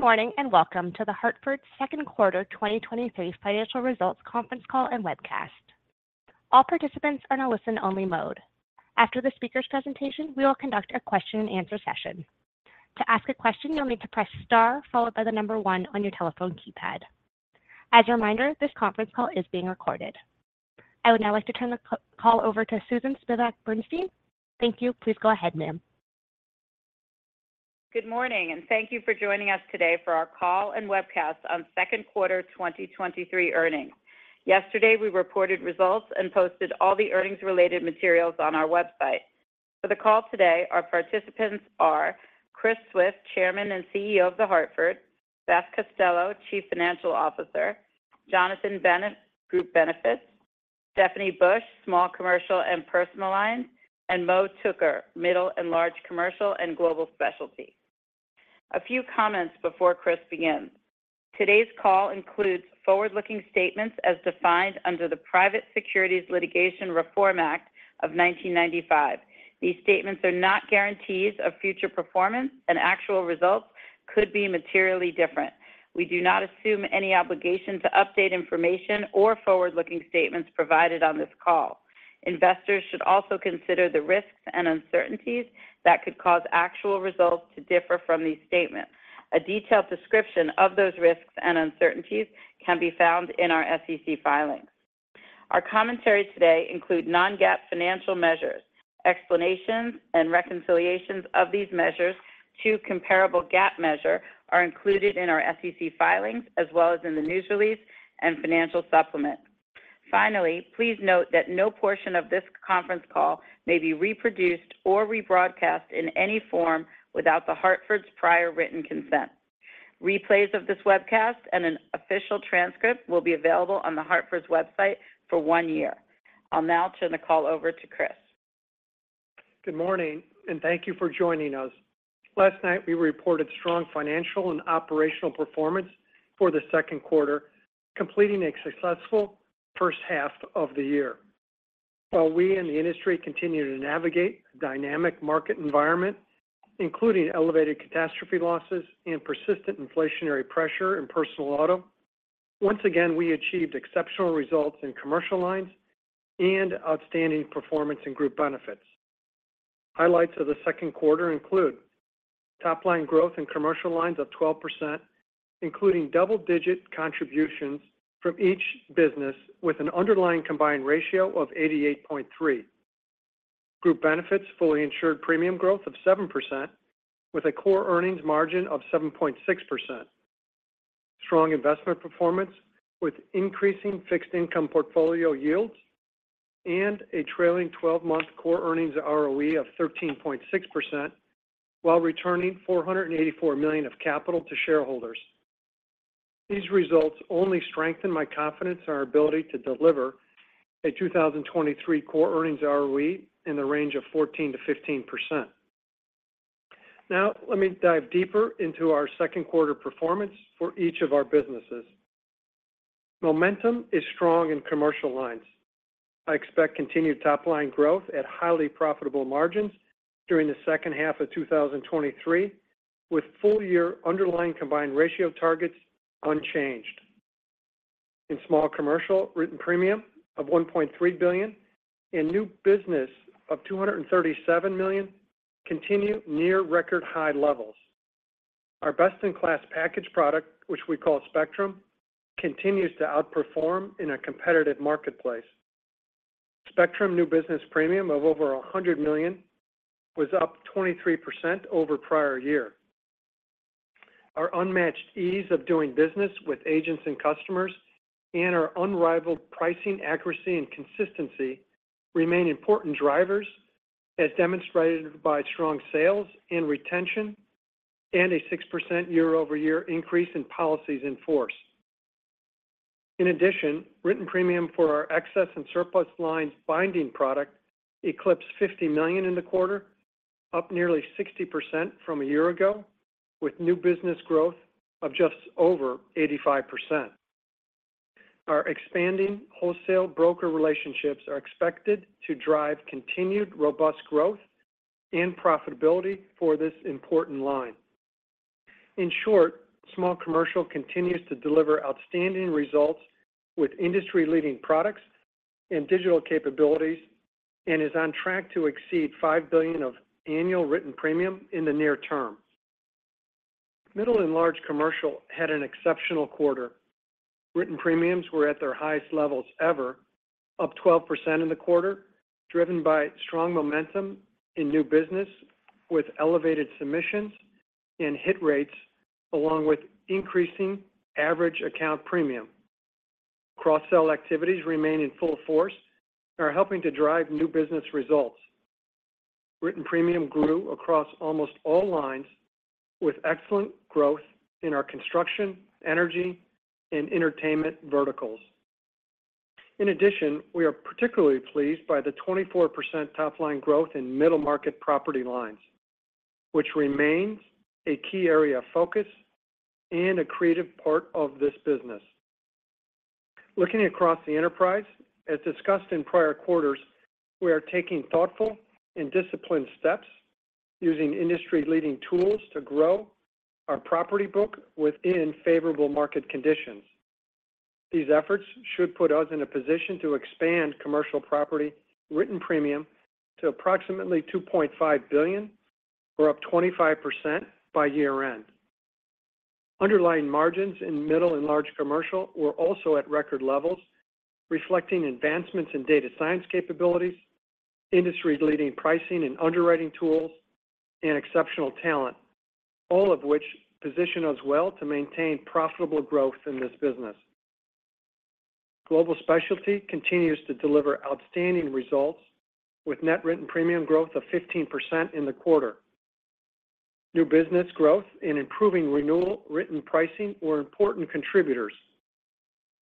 Good morning, and welcome to The Hartford's second quarter 2023 financial results conference call and webcast. All participants are in a listen-only mode. After the speaker's presentation, we will conduct a question-and-answer session. To ask a question, you'll need to press Star, followed by number one on your telephone keypad. As a reminder, this conference call is being recorded. I would now like to turn the call over to Susan Spivak Bernstein. Thank you. Please go ahead, ma'am. Good morning, and thank you for joining us today for our call and webcast on second quarter 2023 earnings. Yesterday, we reported results and posted all the earnings-related materials on our website. For the call today, our participants are Chris Swift, Chairman and CEO of The Hartford, Beth Costello, Chief Financial Officer, Jonathan Bennett, Group Benefits; Stephanie Bush, Small Commercial and Personal Lines, and Mo Tooker, Middle and Large Commercial and Global Specialty. A few comments before Chris begins. Today's call includes forward-looking statements as defined under the Private Securities Litigation Reform Act of 1995. These statements are not guarantees of future performance, and actual results could be materially different. We do not assume any obligation to update information or forward-looking statements provided on this call. Investors should also consider the risks and uncertainties that could cause actual results to differ from these statements. A detailed description of those risks and uncertainties can be found in our SEC filings. Our commentaries today include non-GAAP financial measures. Explanations and reconciliations of these measures to comparable GAAP measure are included in our SEC filings, as well as in the news release and financial supplement. Finally, please note that no portion of this conference call may be reproduced or rebroadcast in any form without The Hartford's prior written consent. Replays of this webcast and an official transcript will be available on The Hartford's website for one year. I'll now turn the call over to Chris. Good morning, and thank you for joining us. Last night, we reported strong financial and operational performance for the second quarter, completing a successful first half of the year. While we in the industry continue to navigate a dynamic market environment, including elevated catastrophe losses and persistent inflationary pressure in personal auto, once again, we achieved exceptional results in commercial lines and outstanding performance in Group Benefits. Highlights of the second quarter include top-line growth in commercial lines of 12%, including double-digit contributions from each business, with an underlying combined ratio of 88.3. Group Benefits fully insured premium growth of 7%, with a core earnings margin of 7.6%. Strong investment performance with increasing fixed income portfolio yields and a trailing 12 month core earnings ROE of 13.6%, while returning $484 million of capital to shareholders. These results only strengthen my confidence in our ability to deliver a 2023 core earnings ROE in the range of 14%-15%. Now, let me dive deeper into our second quarter performance for each of our businesses. Momentum is strong in commercial lines. I expect continued top-line growth at highly profitable margins during the second half of 2023, with full-year underlying combined ratio targets unchanged. In small commercial, written premium of $1.3 billion and new business of $237 million continue near record high levels. Our best-in-class package product, which we call Spectrum, continues to outperform in a competitive marketplace. Spectrum new business premium of over $100 million was up 23% over prior year. Our unmatched ease of doing business with agents and customers and our unrivaled pricing accuracy and consistency remain important drivers, as demonstrated by strong sales and retention and a 6% year-over-year increase in policies in force. In addition, written premium for our excess and surplus lines binding product eclipsed $50 million in the quarter, up nearly 60% from a year ago, with new business growth of just over 85%. Our expanding wholesale broker relationships are expected to drive continued robust growth and profitability for this important line. In short, small commercial continues to deliver outstanding results with industry-leading products and digital capabilities and is on track to exceed $5 billion of annual written premium in the near term. Middle and large commercial had an exceptional quarter. Written premiums were at their highest levels ever, up 12% in the quarter, driven by strong momentum in new business, with elevated submissions and hit rates, along with increasing average account premium. Cross-sell activities remain in full force and are helping to drive new business results. Written premium grew across almost all lines, with excellent growth in our construction, energy, and entertainment verticals. In addition, we are particularly pleased by the 24% top-line growth in middle-market property lines, which remains a key area of focus and a creative part of this business.... Looking across the enterprise, as discussed in prior quarters, we are taking thoughtful and disciplined steps using industry-leading tools to grow our property book within favorable market conditions. These efforts should put us in a position to expand commercial property written premium to approximately $2.5 billion or up 25% by year-end. Underlying margins in middle and large commercial were also at record levels, reflecting advancements in data science capabilities, industry-leading pricing and underwriting tools, and exceptional talent, all of which position us well to maintain profitable growth in this business. Global Specialty continues to deliver outstanding results, with net written premium growth of 15% in the quarter. New business growth and improving renewal written pricing were important contributors.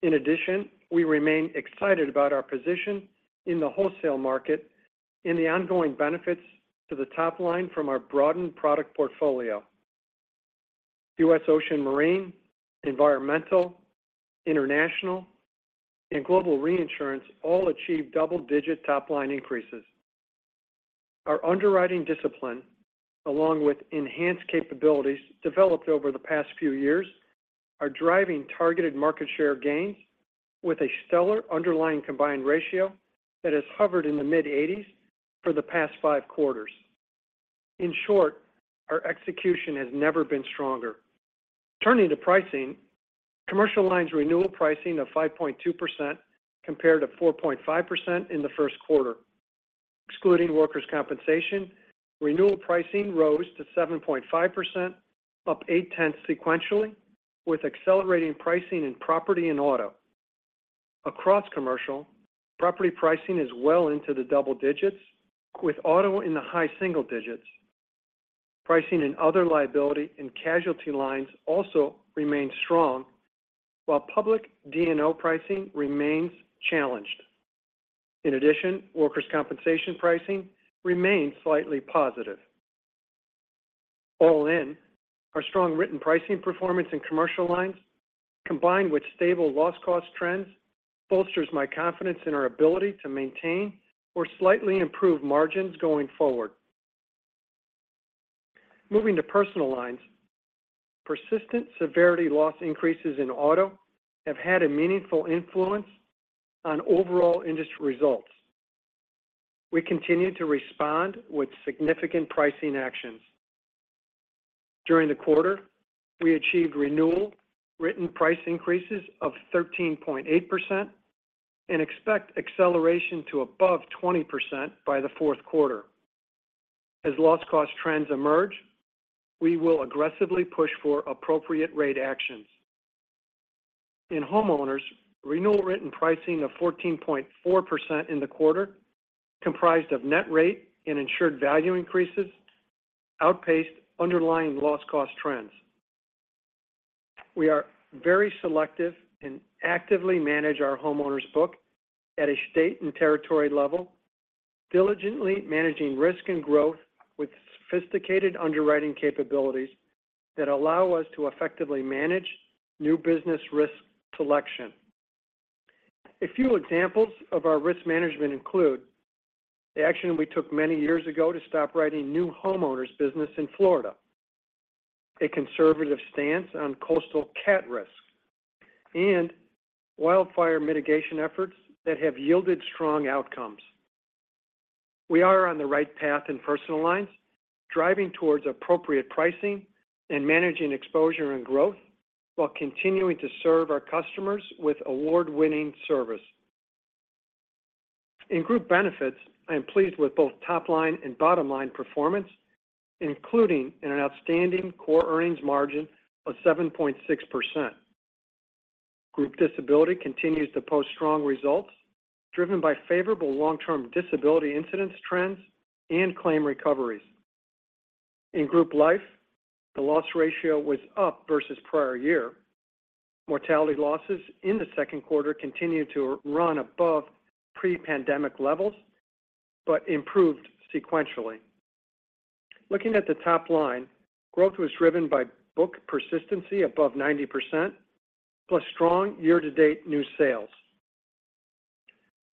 In addition, we remain excited about our position in the wholesale market and the ongoing benefits to the top line from our broadened product portfolio. U.S. Ocean Marine, Environmental, International, and Global Reinsurance all achieved double-digit top-line increases. Our underwriting discipline, along with enhanced capabilities developed over the past few years, are driving targeted market share gains with a stellar underlying combined ratio that has hovered in the mid-80s for the past five quarters. In short, our execution has never been stronger. Turning to pricing, Commercial Lines renewal pricing of 5.2% compared to 4.5% in the first quarter. Excluding workers' compensation, renewal pricing rose to 7.5%, up 8/10th sequentially, with accelerating pricing in property and auto. Across commercial, property pricing is well into the double digits, with auto in the high single digits. Pricing and other liability and casualty lines also remain strong, while public D&O pricing remains challenged. In addition, workers' compensation pricing remains slightly positive. All in, our strong written pricing performance in Commercial Lines, combined with stable loss cost trends, bolsters my confidence in our ability to maintain or slightly improve margins going forward. Moving to Personal Lines, persistent severity loss increases in auto have had a meaningful influence on overall industry results. We continue to respond with significant pricing actions. During the quarter, we achieved renewal written price increases of 13.8% and expect acceleration to above 20% by the fourth quarter. As loss cost trends emerge, we will aggressively push for appropriate rate actions. In homeowners, renewal written pricing of 14.4% in the quarter, comprised of net rate and insured value increases, outpaced underlying loss cost trends. We are very selective and actively manage our homeowners book at a state and territory level, diligently managing risk and growth with sophisticated underwriting capabilities that allow us to effectively manage new business risk selection. A few examples of our risk management include the action we took many years ago to stop writing new homeowners business in Florida, a conservative stance on coastal CAT risks, and wildfire mitigation efforts that have yielded strong outcomes. We are on the right path in Personal Lines, driving towards appropriate pricing and managing exposure and growth while continuing to serve our customers with award-winning service. In Group Benefits, I am pleased with both top-line and bottom-line performance, including an outstanding core earnings margin of 7.6%. Group Disability continues to post strong results, driven by favorable long-term disability incidence trends and claim recoveries. In Group Life, the loss ratio was up versus prior year. Mortality losses in the second quarter continued to run above pre-pandemic levels, but improved sequentially. Looking at the top line, growth was driven by book persistency above 90%, plus strong year-to-date new sales.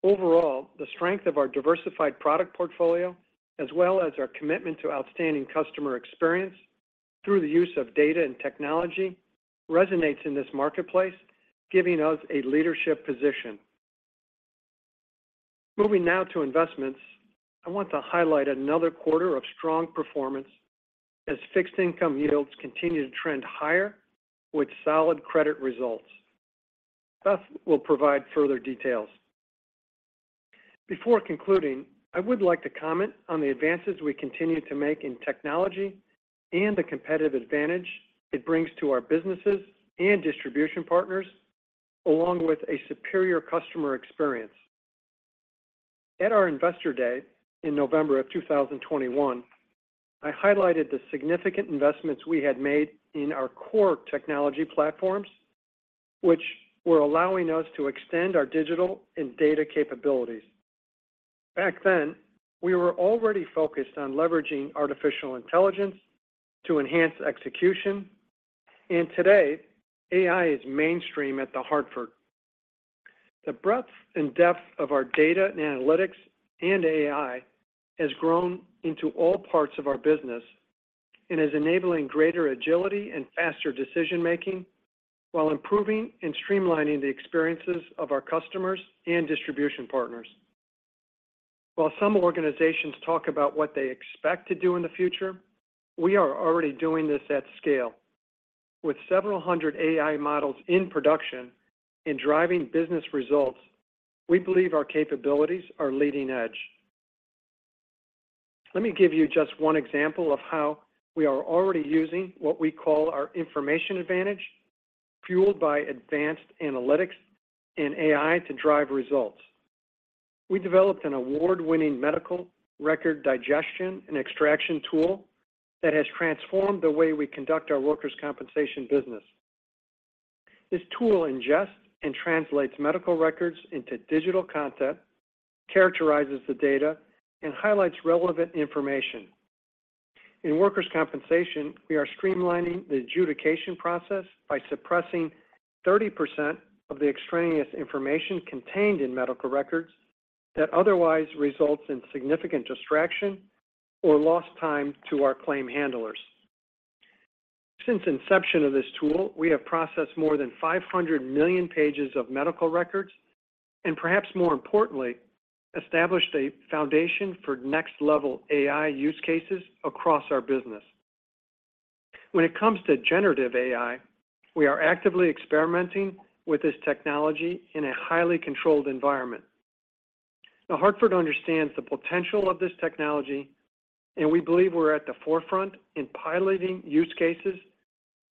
Overall, the strength of our diversified product portfolio, as well as our commitment to outstanding customer experience through the use of data and technology, resonates in this marketplace, giving us a leadership position. Moving now to investments, I want to highlight another quarter of strong performance as fixed income yields continue to trend higher with solid credit results. Thus, we'll provide further details. Before concluding, I would like to comment on the advances we continue to make in technology and the competitive advantage it brings to our businesses and distribution partners, along with a superior customer experience. At our Investor Day in November of 2021, I highlighted the significant investments we had made in our core technology platforms, which were allowing us to extend our digital and data capabilities.... Back then, we were already focused on leveraging artificial intelligence to enhance execution, and today, AI is mainstream at The Hartford. The breadth and depth of our data and analytics and AI has grown into all parts of our business and is enabling greater agility and faster decision-making while improving and streamlining the experiences of our customers and distribution partners. While some organizations talk about what they expect to do in the future, we are already doing this at scale. With several hundred AI models in production and driving business results, we believe our capabilities are leading-edge. Let me give you just one example of how we are already using what we call our information advantage, fueled by advanced analytics and AI to drive results. We developed an award-winning medical record digestion and extraction tool that has transformed the way we conduct our workers' compensation business. This tool ingests and translates medical records into digital content, characterizes the data, and highlights relevant information. In workers' compensation, we are streamlining the adjudication process by suppressing 30% of the extraneous information contained in medical records that otherwise results in significant distraction or lost time to our claim handlers. Since inception of this tool, we have processed more than 500 million pages of medical records, and perhaps more importantly, established a foundation for next-level AI use cases across our business. When it comes to generative AI, we are actively experimenting with this technology in a highly controlled environment. Now, The Hartford understands the potential of this technology, and we believe we're at the forefront in piloting use cases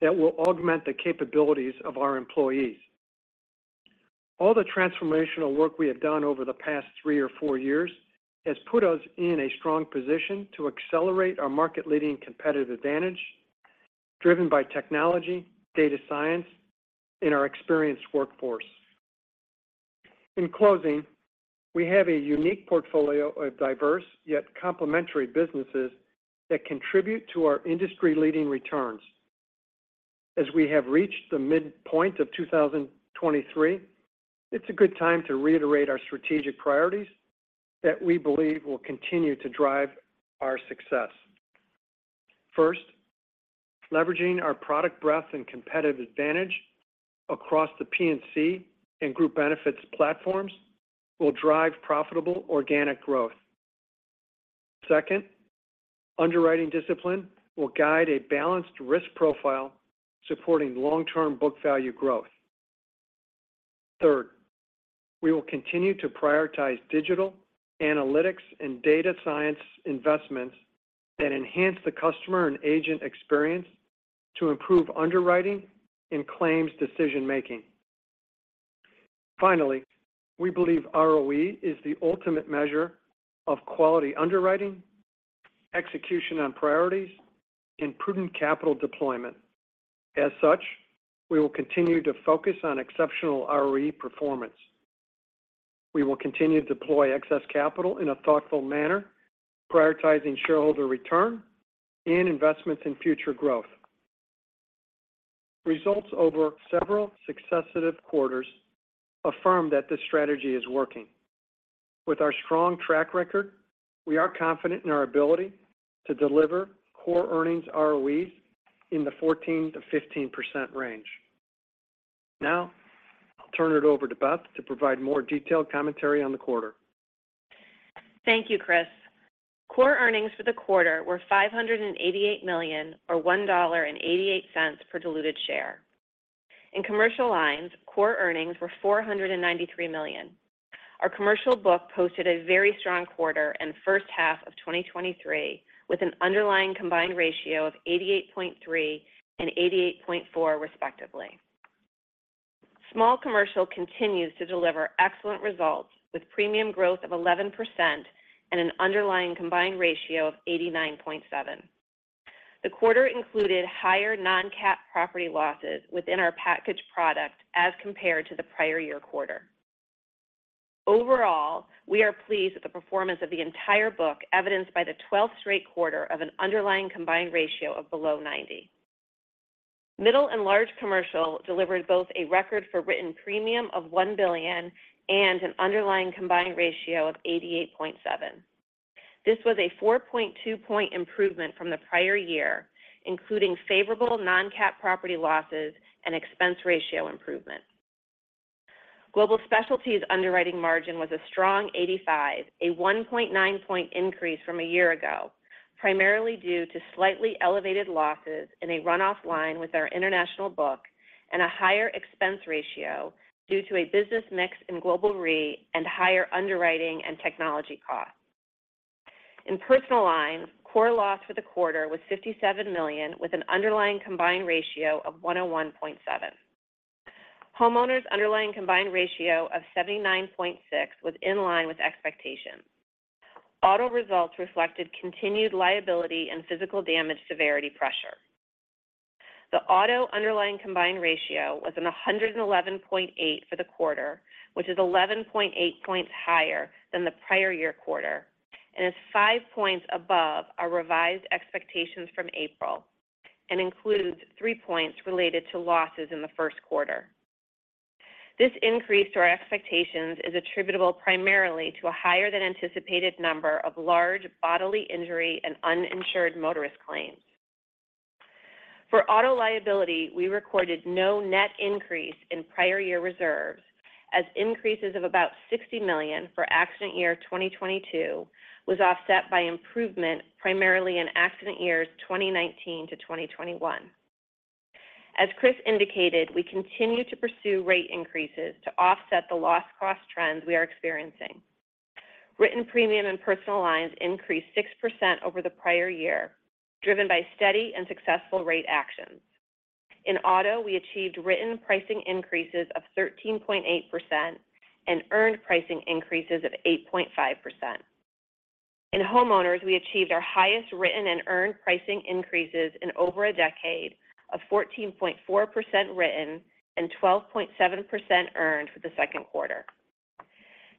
that will augment the capabilities of our employees. All the transformational work we have done over the past three or four years has put us in a strong position to accelerate our market-leading competitive advantage, driven by technology, data science, and our experienced workforce. In closing, we have a unique portfolio of diverse, yet complementary businesses that contribute to our industry-leading returns. As we have reached the midpoint of 2023, it's a good time to reiterate our strategic priorities that we believe will continue to drive our success. First, leveraging our product breadth and competitive advantage across the P&C and Group Benefits platforms will drive profitable organic growth. Second, underwriting discipline will guide a balanced risk profile, supporting long-term book value growth. Third, we will continue to prioritize digital, analytics, and data science investments that enhance the customer and agent experience to improve underwriting and claims decision-making. Finally, we believe ROE is the ultimate measure of quality underwriting, execution on priorities, and prudent capital deployment. As such, we will continue to focus on exceptional ROE performance. We will continue to deploy excess capital in a thoughtful manner, prioritizing shareholder return and investments in future growth. Results over several successive quarters affirm that this strategy is working. With our strong track record, we are confident in our ability to deliver core earnings ROEs in the 14%-15% range. Now, I'll turn it over to Beth to provide more detailed commentary on the quarter. Thank you, Chris. Core earnings for the quarter were $588 million, or $1.88 per diluted share. In commercial lines, core earnings were $493 million. Our commercial book posted a very strong quarter and first half of 2023, with an underlying combined ratio of 88.3 and 88.4, respectively. Small Commercial continues to deliver excellent results, with premium growth of 11% and an underlying combined ratio of 89.7. The quarter included higher non-cap property losses within our package product as compared to the prior-year quarter. Overall, we are pleased with the performance of the entire book, evidenced by the 12th straight quarter of an underlying combined ratio of below 90. Middle and large commercial delivered both a record for written premium of $1 billion and an underlying combined ratio of 88.7. This was a 4.2 points improvement from the prior year, including favorable non-cap property losses and expense ratio improvement. Global Specialty's underwriting margin was a strong 85%, a 1.9 points increase from a year ago, primarily due to slightly elevated losses in a run-off line with our international book and a higher expense ratio due to a business mix in Global Re and higher underwriting and technology costs. In Personal Lines, core loss for the quarter was $57 million, with an underlying combined ratio of 101.7%. Homeowners' underlying combined ratio of 79.6% was in line with expectations. Auto results reflected continued liability and physical damage severity pressure. The auto underlying combined ratio was 111.8 for the quarter, which is 11.8 points higher than the prior year quarter, and is five points above our revised expectations from April, and includes three points related to losses in the first quarter. This increase to our expectations is attributable primarily to a higher than anticipated number of large bodily injury and uninsured motorist claims. For auto liability, we recorded no net increase in prior year reserves, as increases of about $60 million for accident year 2022 was offset by improvement, primarily in accident years 2019-2021. As Chris indicated, we continue to pursue rate increases to offset the loss cost trends we are experiencing. Written premium and Personal Lines increased 6% over the prior year, driven by steady and successful rate actions. In auto, we achieved written pricing increases of 13.8% and earned pricing increases of 8.5%. In homeowners, we achieved our highest written and earned pricing increases in over a decade of 14.4% written and 12.7% earned for the second quarter.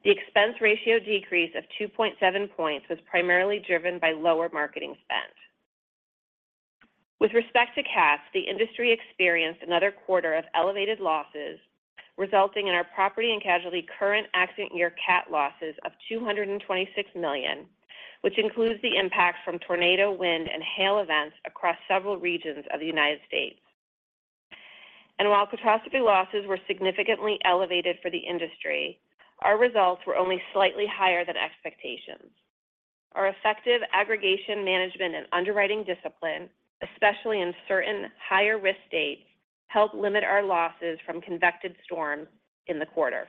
The expense ratio decrease of 2.7 points was primarily driven by lower marketing spend. With respect to CAT, the industry experienced another quarter of elevated losses, resulting in our property and casualty current accident year CAT losses of $226 million, which includes the impact from tornado, wind, and hail events across several regions of the United States. While catastrophe losses were significantly elevated for the industry, our results were only slightly higher than expectations. Our effective aggregation, management, and underwriting discipline, especially in certain higher-risk states, helped limit our losses from convective storms in the quarter.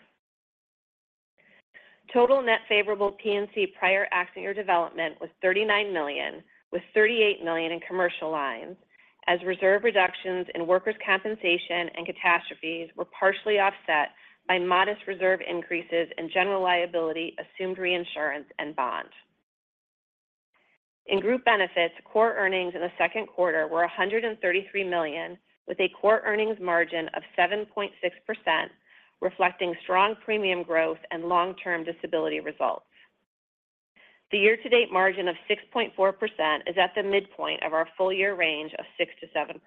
Total net favorable P&C prior accident year development was $39 million, with $38 million in commercial lines, as reserve reductions in workers' compensation and catastrophes were partially offset by modest reserve increases in general liability, assumed reinsurance, and bond. In Group Benefits, core earnings in the second quarter were $133 million, with a core earnings margin of 7.6%, reflecting strong premium growth and long-term disability results. The year-to-date margin of 6.4% is at the midpoint of our full year range of 6%-7%.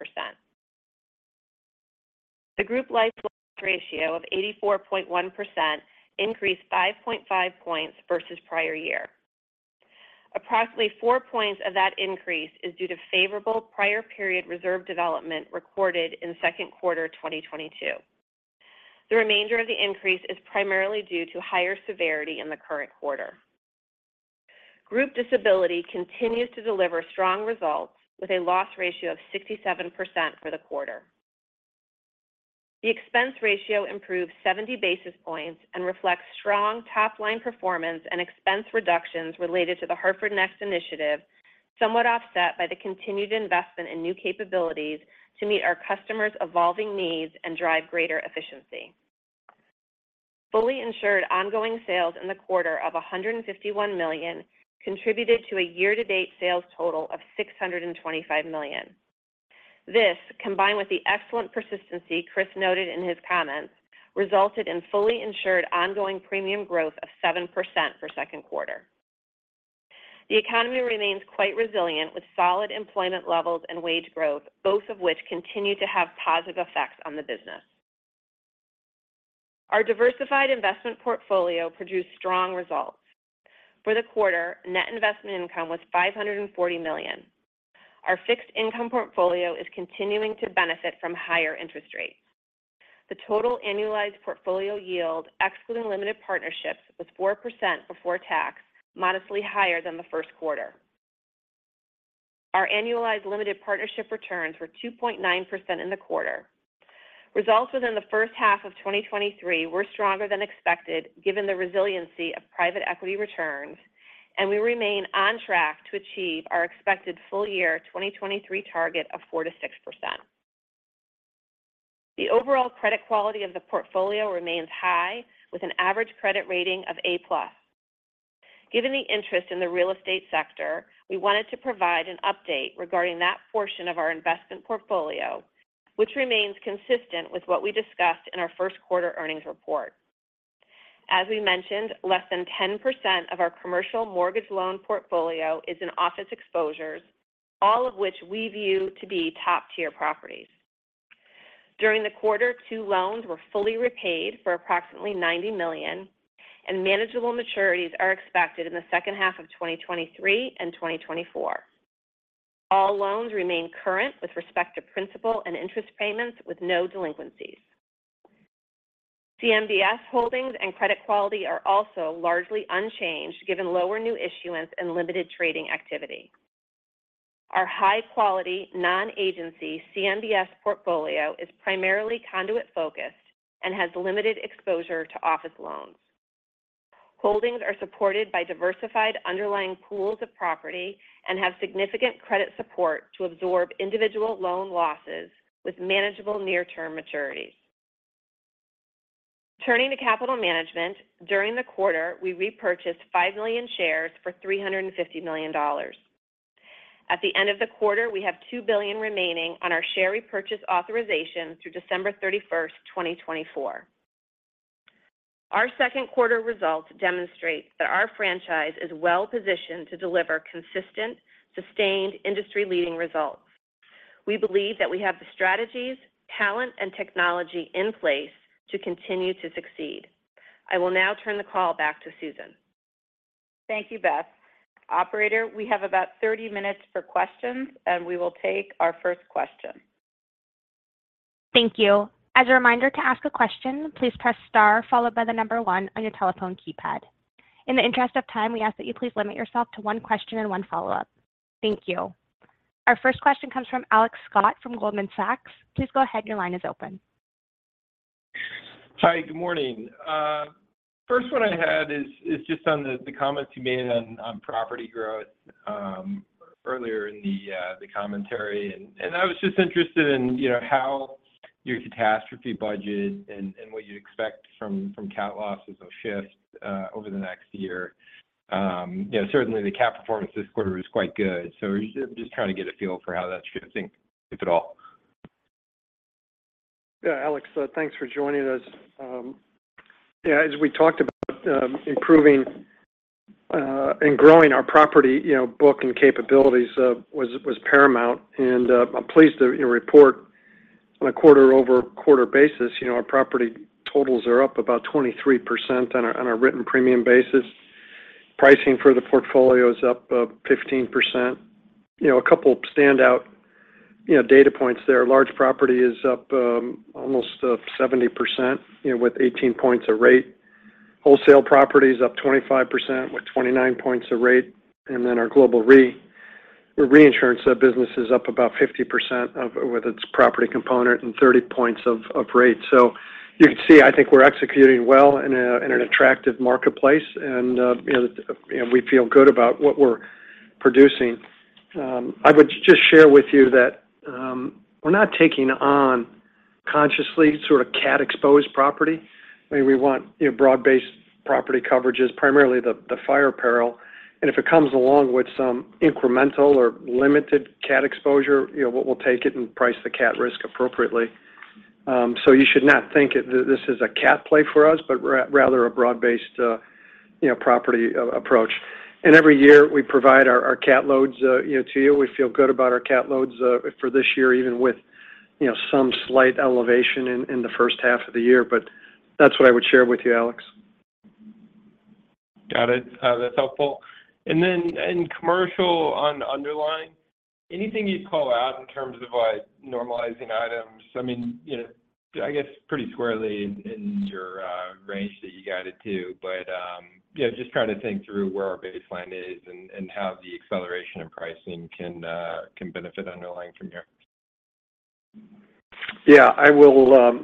The group life loss ratio of 84.1% increased 5.5 points versus prior year. Approximately four points of that increase is due to favorable prior period reserve development recorded in second quarter 2022. The remainder of the increase is primarily due to higher severity in the current quarter. Group disability continues to deliver strong results with a loss ratio of 67% for the quarter. The expense ratio improved 70 basis points and reflects strong top-line performance and expense reductions related to the Hartford Next initiative, somewhat offset by the continued investment in new capabilities to meet our customers' evolving needs and drive greater efficiency. Fully insured ongoing sales in the quarter of $151 million contributed to a year-to-date sales total of $625 million. This, combined with the excellent persistency Chris noted in his comments, resulted in fully insured ongoing premium growth of 7% for second quarter. The economy remains quite resilient, with solid employment levels and wage growth, both of which continue to have positive effects on the business. Our diversified investment portfolio produced strong results. For the quarter, net investment income was $540 million. Our fixed income portfolio is continuing to benefit from higher interest rates. The total annualized portfolio yield, excluding limited partnerships, was 4% before tax, modestly higher than the first quarter. Our annualized limited partnership returns were 2.9% in the quarter. Results within the first half of 2023 were stronger than expected, given the resiliency of private equity returns, and we remain on track to achieve our expected full year 2023 target of 4%-6%. The overall credit quality of the portfolio remains high, with an average credit rating of A+. Given the interest in the real estate sector, we wanted to provide an update regarding that portion of our investment portfolio, which remains consistent with what we discussed in our first quarter earnings report. As we mentioned, less than 10% of our commercial mortgage loan portfolio is in office exposures, all of which we view to be top-tier properties. During the quarter, two loans were fully repaid for approximately $90 million, and manageable maturities are expected in the second half of 2023 and 2024. All loans remain current with respect to principal and interest payments with no delinquencies. CMBS holdings and credit quality are also largely unchanged, given lower new issuance and limited trading activity. Our high-quality, non-agency CMBS portfolio is primarily conduit-focused and has limited exposure to office loans. Holdings are supported by diversified underlying pools of property and have significant credit support to absorb individual loan losses with manageable near-term maturities. Turning to capital management, during the quarter, we repurchased 5 million shares for $350 million. At the end of the quarter, we have $2 billion remaining on our share repurchase authorization through December 31, 2024. Our second quarter results demonstrate that our franchise is well-positioned to deliver consistent, sustained, industry-leading results. We believe that we have the strategies, talent, and technology in place to continue to succeed. I will now turn the call back to Susan. Thank you, Beth. Operator, we have about 30 minutes for questions. We will take our first question. Thank you. As a reminder, to ask a question, please press star followed by the number one on your telephone keypad. In the interest of time, we ask that you please limit yourself to one question and one follow-up. Thank you. Our first question comes from Alex Scott from Goldman Sachs. Please go ahead. Your line is open. Hi, good morning. First one I had is, is just on the, the comments you made on, on property growth, earlier in the, the commentary. I was just interested in, you know, how your catastrophe budget and, and what you expect from, from CAT losses will shift, over the next year. You know, certainly the CAT performance this quarter was quite good, so just, just trying to get a feel for how that's going to think, if at all. Yeah, Alex, thanks for joining us. Yeah, as we talked about, improving and growing our property, you know, book and capabilities, was, was paramount. I'm pleased to, you know, report on a quarter-over-quarter basis, you know, our property totals are up about 23% on a, on a written premium basis. Pricing for the portfolio is up 15%. You know, a couple standout, you know, data points there. Large property is up almost 70%, you know, with 18 points of rate. Wholesale property is up 25% with 29 points of rate. Our global the reinsurance business is up about 50% with its property component and 30 points of rate. You can see, I think we're executing well in an attractive marketplace, and, you know, and we feel good about what we're producing. I would just share with you that we're not taking on consciously sort of CAT-exposed property. I mean, we want, you know, broad-based property coverages, primarily the fire peril. If it comes along with some incremental or limited CAT exposure, you know, we'll take it and price the CAT risk appropriately. You should not think that this is a CAT play for us, but rather a broad-based, you know, property approach. Every year, we provide our CAT loads, you know, to you. We feel good about our CAT loads for this year, even with, you know, some slight elevation in the first half of the year. That's what I would share with you, Alex. Got it. That's helpful. In commercial on underlying, anything you'd call out in terms of, like, normalizing items? I mean, you know, I guess pretty squarely in, in your range that you guided to, but, you know, just trying to think through where our baseline is and how the acceleration in pricing can benefit underlying from here. Yeah, I will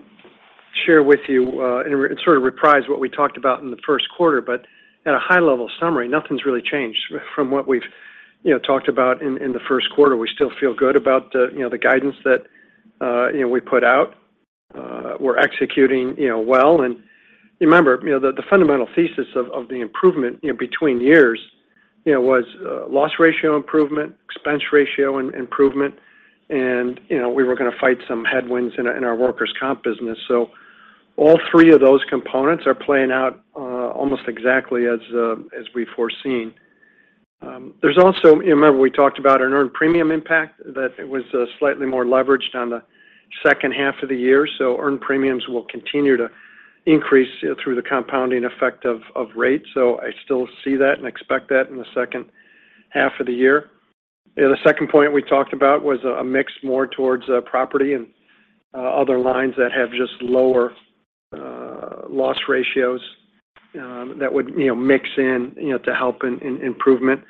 share with you, and re- and sort of reprise what we talked about in the first quarter. At a high-level summary, nothing's really changed from what we've, you know, talked about in, in the first quarter. We still feel good about the, you know, the guidance that, you know, we put out. We're executing, you know, well. Remember, you know, the, the fundamental thesis of, of the improvement, you know, between years, you know, was loss ratio improvement, expense ratio and improvement, and, you know, we were going to fight some headwinds in our, in our workers' comp business. All three of those components are playing out, almost exactly as we've foreseen. There's also... You remember, we talked about an earned premium impact, that it was slightly more leveraged on the second half of the year. Earned premiums will continue to increase through the compounding effect of, of rates. I still see that and expect that in the second half of the year. The second point we talked about was a, a mix more towards property and other lines that have just lower loss ratios, that would, you know, mix in, you know, to help in, in improvement.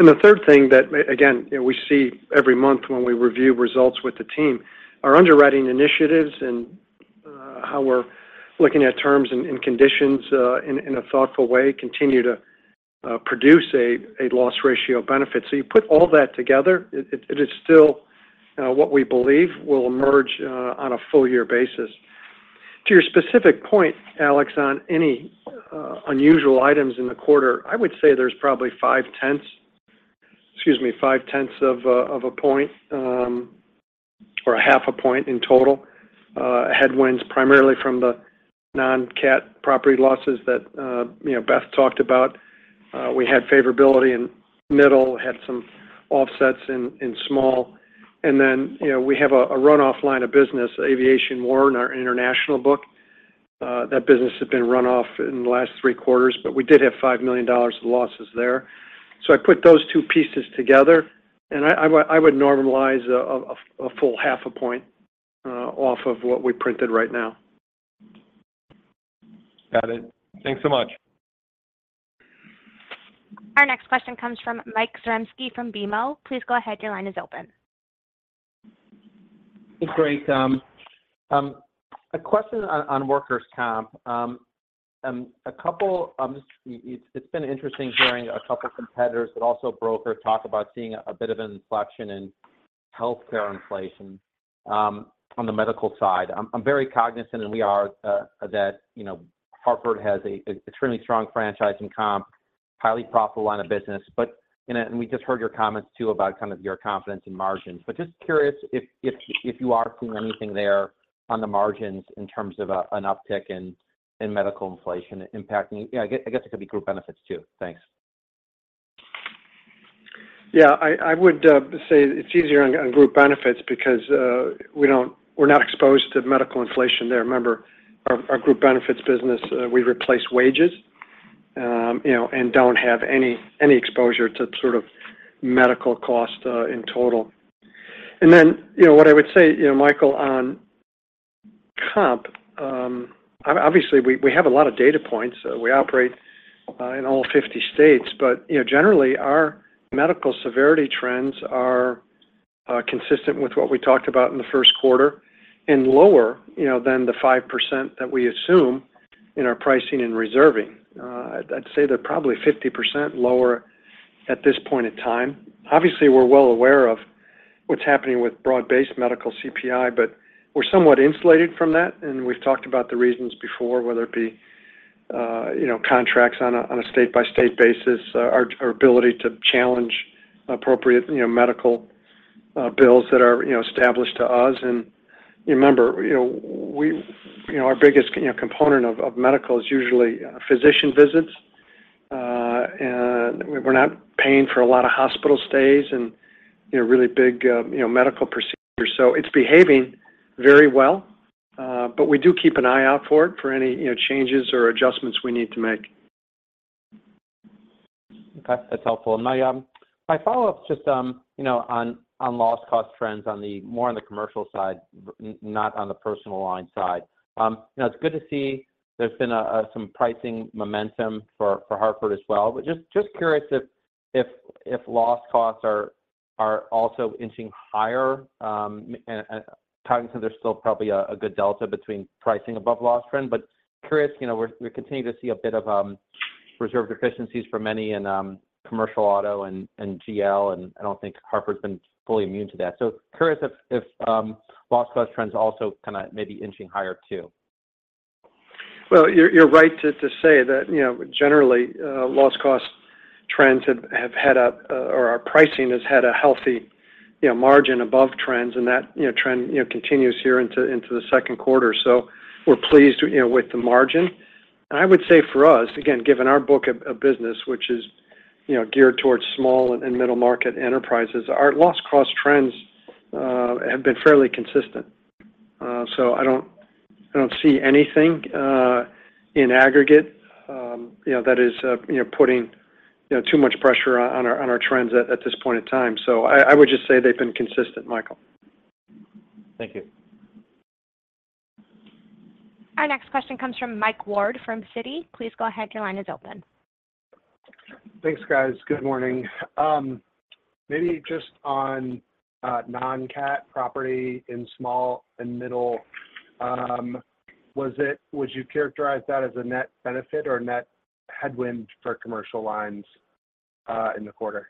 The third thing that, again, you know, we see every month when we review results with the team, our underwriting initiatives and how we're looking at terms and, and conditions, in, in a thoughtful way, continue to produce a, a loss ratio benefit. You put all that together, it, it, it is still what we believe will emerge on a full year basis. To your specific point, Alex, on any unusual items in the quarter, I would say there's probably 5/10s, excuse me, 5/10s of a point, or 1/2 a point in total headwinds, primarily from the non-CAT property losses that, you know, Beth talked about. We had favorability in middle, had some offsets in, in small, and then, you know, we have a runoff line of business, aviation war in our international book. That business had been run off in the last three quarters, but we did have $5 million of losses there. I put those two pieces together, and I, I would, I would normalize a full 1/2 a point off of what we printed right now. Got it. Thanks so much. Our next question comes from Mike Zaremski from BMO. Please go ahead. Your line is open. Great. A question on, on workers' comp. A couple, it's, it's been interesting hearing a couple competitors, but also brokers talk about seeing a bit of an inflection in healthcare inflation, on the medical side. I'm very cognizant, and we are, that, you know, Hartford has a extremely strong franchise in comp, highly profitable line of business. We just heard your comments too, about kind of your confidence in margins. Just curious if you are seeing anything there on the margins in terms of an uptick in medical inflation impacting? Yeah, I guess, I guess it could be Group Benefits, too. Thanks. Yeah, I, I would say it's easier on, on Group Benefits because we're not exposed to medical inflation there. Remember, our, our Group Benefits business, we replace wages, you know, and don't have any, any exposure to sort of medical cost in total. Then, you know, what I would say, you know, Michael, on comp, obviously, we, we have a lot of data points. We operate in all 50 states, but, you know, generally, our medical severity trends are consistent with what we talked about in the first quarter, and lower, you know, than the 5% that we assume in our pricing and reserving. I'd say they're probably 50% lower at this point in time. Obviously, we're well aware of what's happening with broad-based medical CPI, but we're somewhat insulated from that, and we've talked about the reasons before, whether it be, you know, contracts on a, on a state-by-state basis, our, our ability to challenge appropriate, you know, medical bills that are, you know, established to us. Remember, you know, our biggest, you know, component of, of medical is usually physician visits. We're not paying for a lot of hospital stays and, you know, really big, you know, medical procedures. It's behaving very well, but we do keep an eye out for it, for any, you know, changes or adjustments we need to make. Okay, that's helpful. My, my follow-up is just, you know, on, on loss cost trends on the-- more on the commercial side, not on the personal line side. You know, it's good to see there's been some pricing momentum for, for Hartford as well. Just, just curious if, if, if loss costs are, are also inching higher, and, and talking to there's still probably a, a good delta between pricing above loss trend. Curious, you know, we're, we're continuing to see a bit of reserve deficiencies for many in commercial auto and GL, and I don't think Hartford's been fully immune to that. Curious if, if, loss cost trends also kind of may be inching higher, too. Well, you're, you're right to, to say that, you know, generally, loss cost trends have, have had a, or our pricing has had a healthy, you know, margin above trends, and that, you know, trend, you know, continues here into, into the second quarter. We're pleased with, you know, with the margin. I would say for us, again, given our book of, of business, which is, you know, geared towards small and middle-market enterprises, our loss cost trends have been fairly consistent. I don't, I don't see anything in aggregate, you know, that is, you know, putting, you know, too much pressure on our, on our trends at, at this point in time. I, I would just say they've been consistent, Michael. Thank you. Our next question comes from Mike Ward from Citi. Please go ahead. Your line is open. Thanks, guys. Good morning. Maybe just on non-CAT property in small and middle, would you characterize that as a net benefit or a net headwind for commercial lines in the quarter?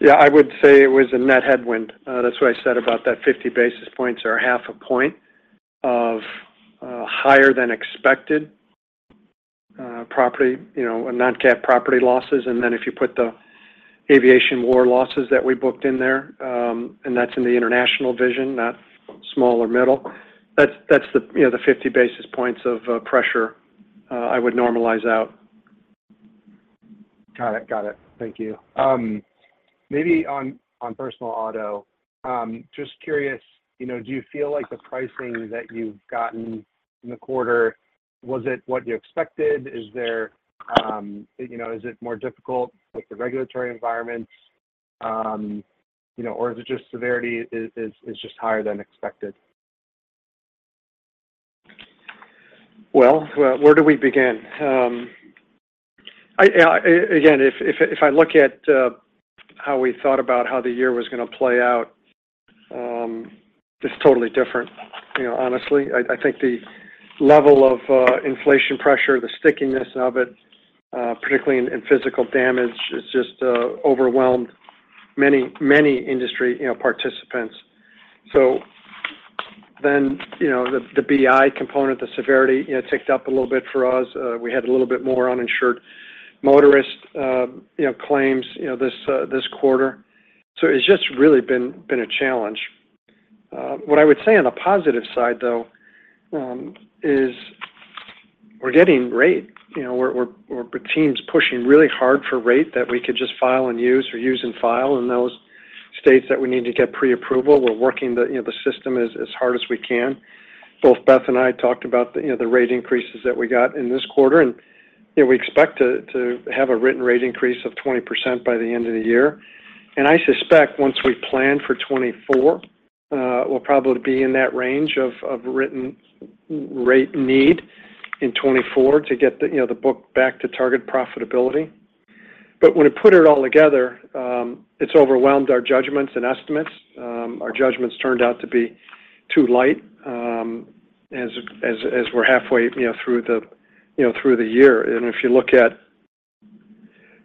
Yeah, I would say it was a net headwind. That's what I said about that 50 basis points or 1/2 a point of higher than expected property, you know, non-CAT property losses. Then if you put the aviation war losses that we booked in there, and that's in the international vision, not small or middle, that's, that's the, you know, the 50 basis points of pressure, I would normalize out. Got it. Got it. Thank you. maybe on, on personal auto, just curious, you know, do you feel like the pricing that you've gotten in the quarter, was it what you expected, Is there, you know, is it more difficult with the regulatory environment, you know, or is it just severity is, is, is just higher than expected? Well, well, where do we begin? Again, if, if, if I look at how we thought about how the year was going to play out, it's totally different. You know, honestly, I, I think the level of inflation pressure, the stickiness of it, particularly in, in physical damage, has just overwhelmed many, many industry, you know, participants. Then, you know, the, the BI component, the severity, you know, ticked up a little bit for us. We had a little bit more uninsured motorist, you know, claims, you know, this quarter. It's just really been, been a challenge. What I would say on the positive side, though, is we're getting rate. You know, we're, we're, the team's pushing really hard for rate that we could just file and use or use and file in those states that we need to get pre-approval. We're working the, you know, the system as, as hard as we can. Both Beth Costello and I talked about the, you know, the rate increases that we got in this quarter, and, you know, we expect to, to have a written rate increase of 20% by the end of the year. I suspect once we plan for 2024, we'll probably be in that range of, of written rate need in 2024 to get the, you know, the book back to target profitability. When it put it all together, it's overwhelmed our judgments and estimates. Our judgments turned out to be too light, as, as, as we're halfway, you know, through the, you know, through the year. If you look at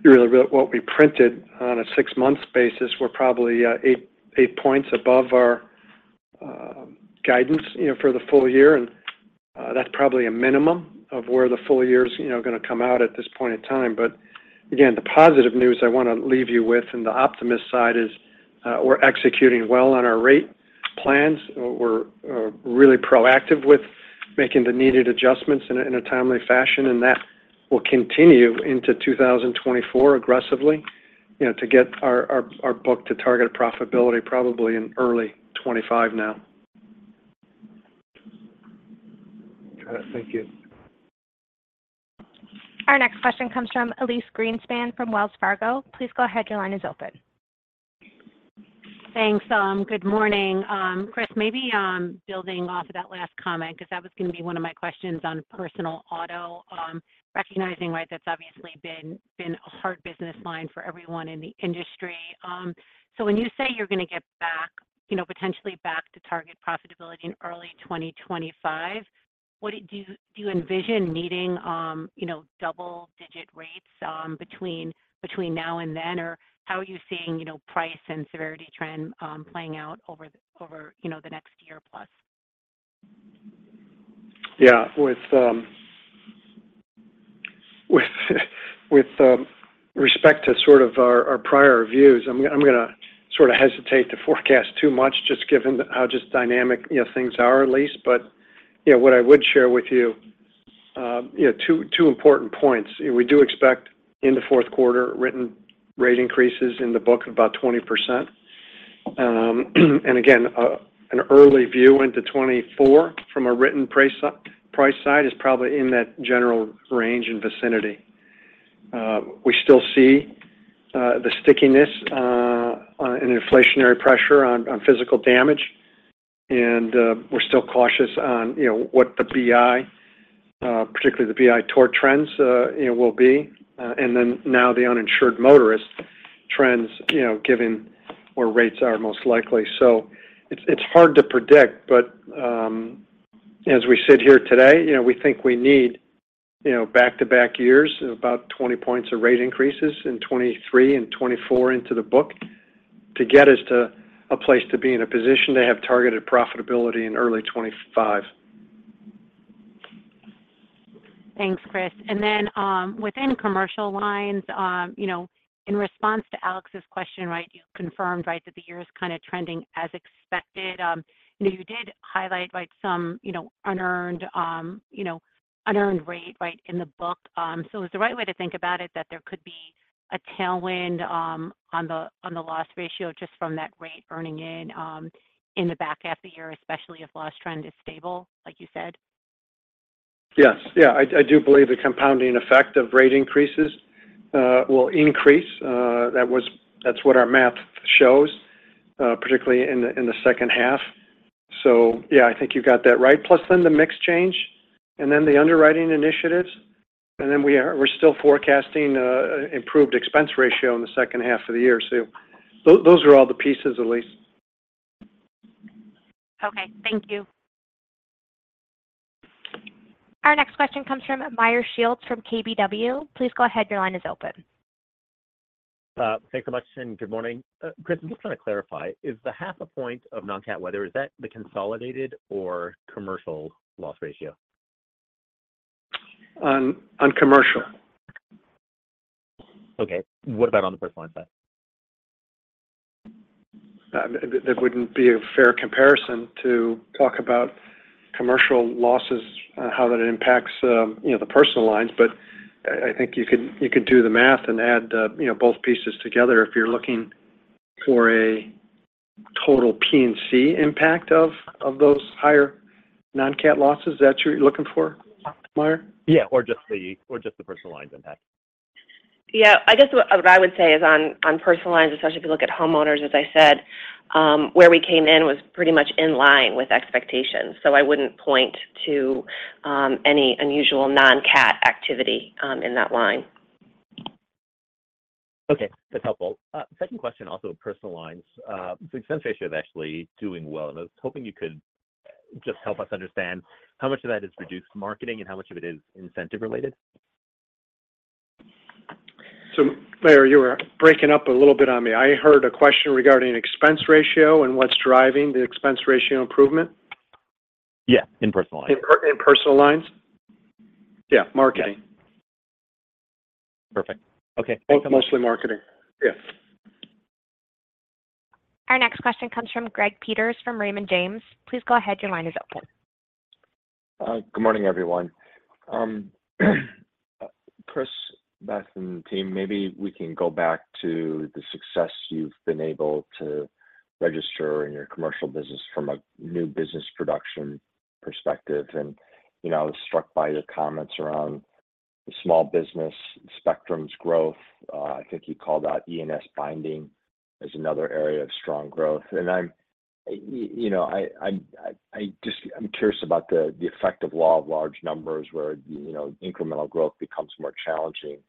really what we printed on a six-month basis, we're probably, eight, eigth points above our guidance, you know, for the full year. That's probably a minimum of where the full year is, you know, gonna come out at this point in time. Again, the positive news I want to leave you with, and the optimist side, is, we're executing well on our rate plans. We're really proactive with making the needed adjustments in a, in a timely fashion, and that will continue into 2024 aggressively, you know, to get our, our, our book to targeted profitability probably in early 2025 now. Got it. Thank you. Our next question comes from Elyse Greenspan from Wells Fargo. Please go ahead. Your line is open. Thanks. Good morning. Chris, maybe, building off of that last comment, 'cause that was gonna be one of my questions on personal auto, recognizing, right, that's obviously been, been a hard business line for everyone in the industry. When you say you're gonna get back, you know, potentially back to target profitability in early 2025, what do you envision needing, you know, double-digit rates, between, between now and then? Or how are you seeing, you know, price and severity trend, playing out over the, over, you know, the next year plus? Yeah. With, with, with respect to sort of our, our prior views, I'm, I'm gonna sorta hesitate to forecast too much, just given how just dynamic, you know, things are, Elyse. You know, what I would share with you, you know, two, two important points. We do expect in the fourth quarter, written rate increases in the book of about 20%. Again, an early view into 2024 from a written price side is probably in that general range and vicinity. We still see the stickiness on an inflationary pressure on, on physical damage, and we're still cautious on, you know, what the BI, particularly the BI tort trends, you know, will be. Then now the uninsured motorist trends, you know, given where rates are most likely. It's, it's hard to predict, but, as we sit here today, you know, we think we need, you know, back-to-back years, about 20 points of rate increases in 2023 and 2024 into the book to get us to a place to be in a position to have targeted profitability in early 2025. Thanks, Chris. Within commercial lines, you know, in response to Alex's question, right, you confirmed, right, that the year is kind of trending as expected. You know, you did highlight, right, some, you know, unearned, you know, unearned rate, right, in the book. Is the right way to think about it, that there could be a tailwind on the, on the loss ratio just from that rate earning in in the back half of the year, especially if loss trend is stable, like you said? Yes. Yeah, I, I do believe the compounding effect of rate increases will increase. That's what our math shows, particularly in the second half. Yeah, I think you've got that right. Plus then the mix change, and then the underwriting initiatives, and then we're still forecasting improved expense ratio in the second half of the year. Those are all the pieces, Elyse. Okay. Thank you. Our next question comes from Meyer Shields from KBW. Please go ahead. Your line is open. Thanks so much, and good morning. Chris, I'm just trying to clarify, is the 1/2 points of non-CAT weather, is that the consolidated or commercial loss ratio? On commercial. Okay. What about on the Personal Line side? That wouldn't be a fair comparison to talk about commercial losses and how that impacts, you know, the personal lines. But I, I think you could, you could do the math and add, you know, both pieces together if you're looking for a total P&C impact of, of those higher non-CAT losses. Is that what you're looking for, Meyer? Yeah, just the, or just the Personal Lines impact. Yeah. I guess what I would say is on, on personal lines, especially if you look at homeowners, as I said, where we came in was pretty much in line with expectations. I wouldn't point to any unusual non-CAT activity in that line. Okay. That's helpful. Second question also on Personal Lines. Expense ratio is actually doing well, and I was hoping you could just help us understand how much of that is reduced marketing and how much of it is incentive related? Meyer, you were breaking up a little bit on me. I heard a question regarding expense ratio and what's driving the expense ratio improvement? Yeah, in personal lines. In per- in Personal Lines? Yeah, marketing. Perfect. Okay. Both mostly marketing. Yes. Our next question comes from Greg Peters, from Raymond James. Please go ahead. Your line is open. Good morning, everyone. Chris, Beth, and the team, maybe we can go back to the success you've been able to register in your commercial business from a new business production perspective. You know, I was struck by your comments around the small business spectrum's growth. I think you called out E&S binding as another area of strong growth. You know, I'm curious about the, the effect of law of large numbers, where, you know, incremental growth becomes more challenging.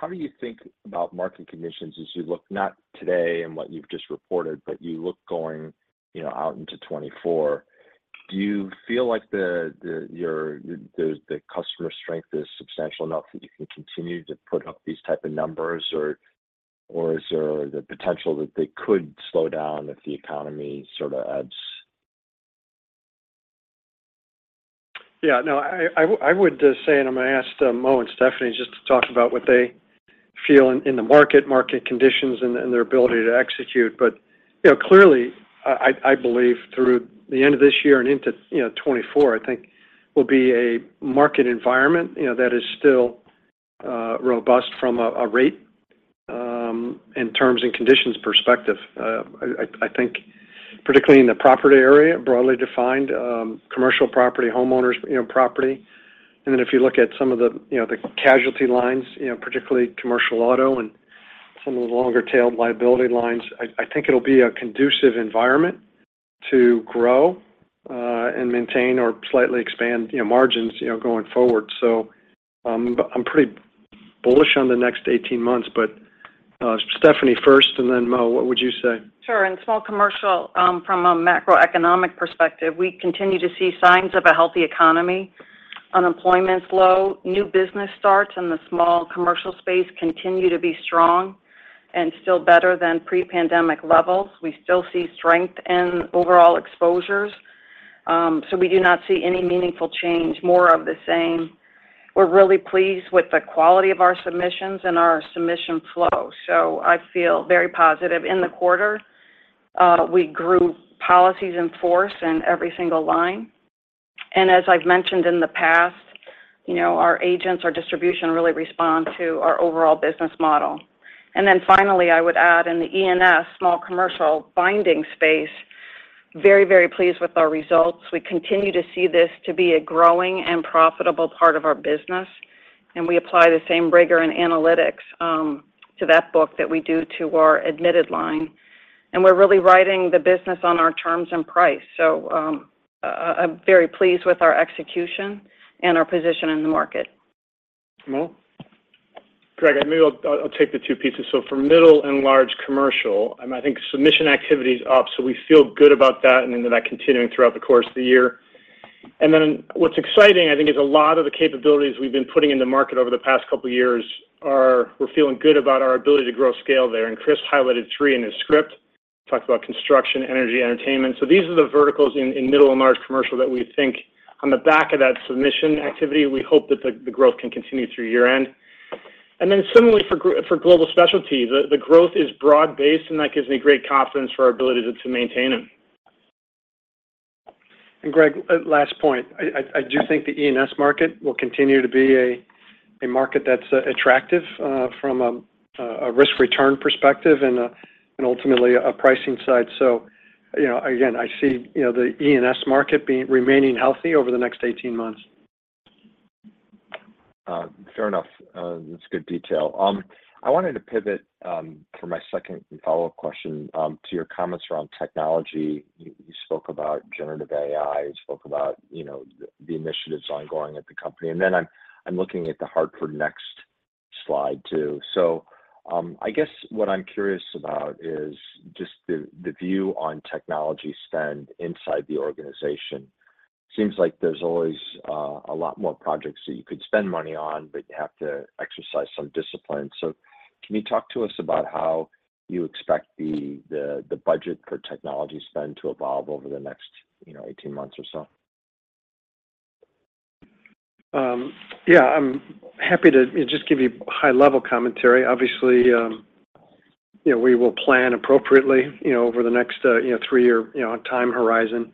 How do you think about market conditions as you look, not today and what you've just reported, but you look going, you know, out into 2024? Do you feel like the, the, your, the, the customer strength is substantial enough that you can continue to put up these type of numbers, or, or is there the potential that they could slow down if the economy sort of adds? Yeah, no, I, I, I would say, and I'm gonna ask Mo and Stephanie just to talk about what they feel in, in the market, market conditions, and, and their ability to execute. But, you know, clearly, I, I, I believe through the end of this year and into, you know, 2024, I think will be a market environment, you know, that is still robust from a, a rate in terms and conditions perspective. I, I, I think particularly in the property area, broadly defined, commercial property, homeowners, you know, property. And then if you look at some of the, you know, the casualty lines, you know, particularly commercial auto and some of the longer-tailed liability lines, I, I think it'll be a conducive environment to grow and maintain or slightly expand, you know, margins, you know, going forward. I'm pretty bullish on the next 18 months. Stephanie first, and then Mo, what would you say? Sure. In Small Commercial, from a macroeconomic perspective, we continue to see signs of a healthy economy. Unemployment's low, new business starts in the Small Commercial space continue to be strong and still better than pre-pandemic levels. We still see strength in overall exposures, so we do not see any meaningful change, more of the same. We're really pleased with the quality of our submissions and our submission flow, so I feel very positive. In the quarter, we grew policies in force in every single line. As I've mentioned in the past, you know, our agents, our distribution, really respond to our overall business model. Then finally, I would add in the E&S Small Commercial binding space, very, very pleased with our results. We continue to see this to be a growing and profitable part of our business, and we apply the same rigor and analytics, to that book that we do to our admitted line. We're really riding the business on our terms and price. I'm very pleased with our execution and our position in the market. Mo? Greg, maybe I'll, I'll take the two pieces. For middle and large commercial, I think submission activity is up, so we feel good about that. Then that continuing throughout the course of the year. What's exciting, I think, is a lot of the capabilities we've been putting in the market over the past couple of years are... We're feeling good about our ability to grow scale there, and Chris highlighted three in his script. Talked about construction, energy, entertainment. These are the verticals in, in middle and large commercial that we think on the back of that submission activity, we hope that the, the growth can continue through year-end. Similarly, for global specialty, the, the growth is broad-based, and that gives me great confidence for our ability to, to maintain them. Greg, last point. I do think the E&S market will continue to be a market that's attractive from a risk-return perspective and ultimately, a pricing side. You know, again, I see, you know, the E&S market remaining healthy over the next 18 months. Fair enough. That's good detail. I wanted to pivot for my second follow-up question to your comments around technology. You, you spoke about generative AI, you spoke about, you know, the, the initiatives ongoing at the company. Then I'm, I'm looking at the Hartford Next slide, too. I guess what I'm curious about is just the, the view on technology spend inside the organization. Seems like there's always a lot more projects that you could spend money on, but you have to exercise some discipline. Can you talk to us about how you expect the, the, the budget for technology spend to evolve over the next, you know, 18 months or so? Yeah, I'm happy to just give you high-level commentary. Obviously, you know, we will plan appropriately, you know, over the next, you know, three-year, you know, time horizon.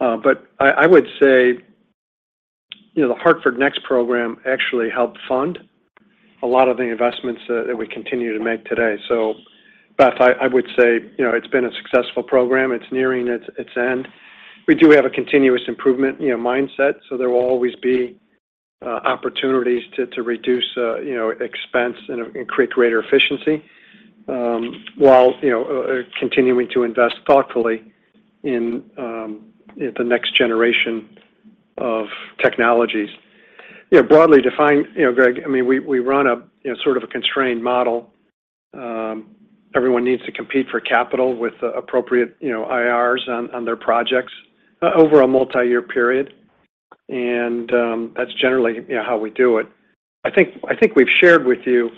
I, I would say, you know, The Hartford Next program actually helped fund a lot of the investments that, that we continue to make today. Beth, I, I would say, you know, it's been a successful program. It's nearing its, its end. We do have a continuous improvement, you know, mindset, so there will always be opportunities to, to reduce, you know, expense and, and create greater efficiency, while, you know, continuing to invest thoughtfully in the next generation of technologies. You know, broadly defined, you know, Greg, I mean, we, we run a, you know, sort of a constrained model. Everyone needs to compete for capital with appropriate, you know, IRs on, on their projects over a multi-year period, and that's generally, you know, how we do it. I think, I think we've shared with you,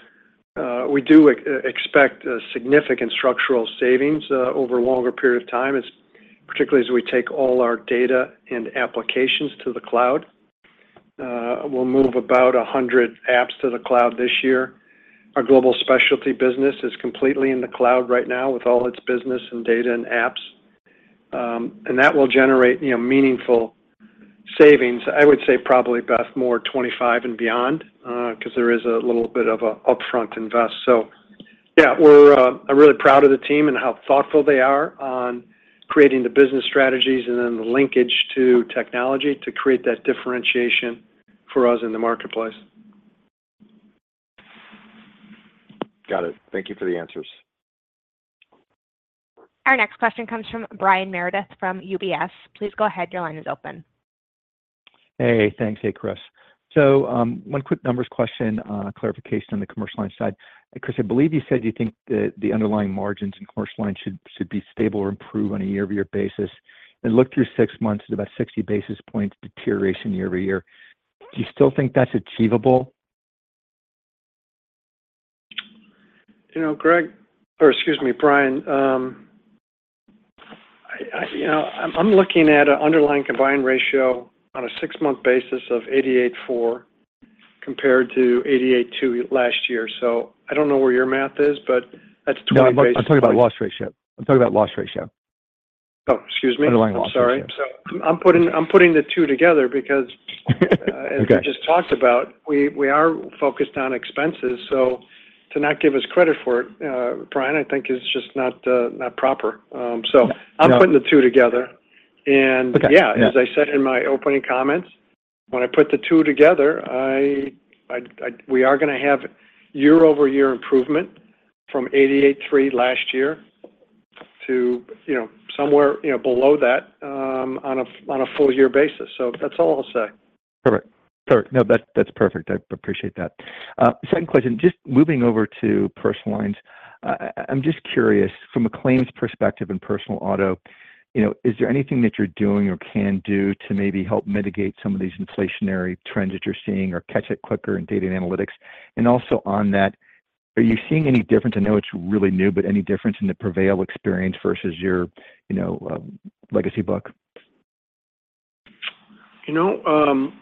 we do expect significant structural savings over a longer period of time, as particularly as we take all our data and applications to the cloud. We'll move about 100 apps to the cloud this year. Our global specialty business is completely in the cloud right now with all its business and data and apps. That will generate, you know, meaningful savings. I would say probably, Beth, more 2025 and beyond, 'cause there is a little bit of a upfront invest. Yeah, we're... I'm really proud of the team and how thoughtful they are on creating the business strategies and then the linkage to technology to create that differentiation for us in the marketplace. Got it. Thank you for the answers. Our next question comes from Brian Meredith from UBS. Please go ahead. Your line is open. Thanks, Chris. One quick numbers question, clarification on the commercial line side. Chris, I believe you said you think that the underlying margins in commercial line should, should be stable or improve on a year-over-year basis. I looked through six months at about 60 basis points deterioration year-over-year. Do you still think that's achievable? You know, Greg, or excuse me, Brian, you know, I'm, I'm looking at an underlying combined ratio on a six-month basis of 88.4 compared to 88.2 last year. I don't know where your math is, but that's 20- No, I'm talking about loss ratio. I'm talking about loss ratio. Oh, excuse me. Underlying loss ratio. I'm sorry. I'm putting, I'm putting the two together because- Okay. as we just talked about, we, we are focused on expenses, so to not give us credit for it, Brian, I think is just not, not proper. Yeah. I'm putting the two together. Okay. Yeah. Yeah, as I said in my opening comments, when I put the two together, we are going to have year-over-year improvement from 88.3 last year to, you know, somewhere, you know, below that, on a, on a full year basis. That's all I'll say. Perfect. Sorry. No, that's, that's perfect. I appreciate that. Second question, just moving over to Personal Lines. I'm just curious, from a claims perspective in personal auto, you know, is there anything that you're doing or can do to maybe help mitigate some of these inflationary trends that you're seeing or catch it quicker in data and analytics? Also on that, are you seeing any difference, I know it's really new, but any difference in the Prevail experience versus your, you know, legacy book? You know,